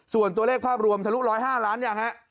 ส่วนตัวเลขภาพรวมทะลุ๑๐๕ล้านยังฮะ